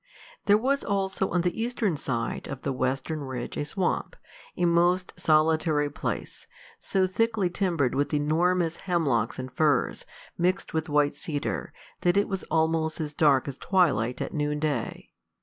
There was also on the eastern side of the western ridge a swamp, a most solitary place, so thickly timbered with enormous hemlocks and firs, mixed with white cedar, that it was almost as dark as twilight at noonday.